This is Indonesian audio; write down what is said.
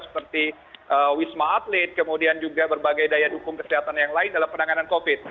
seperti wisma atlet kemudian juga berbagai daya dukung kesehatan yang lain dalam penanganan covid